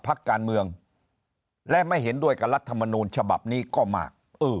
พักการเมืองและไม่เห็นด้วยกับรัฐมนูลฉบับนี้ก็มาก